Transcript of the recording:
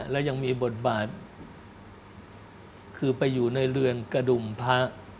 และยังมีบทบาทคือไปอยู่ในเรือนกระดุมพระ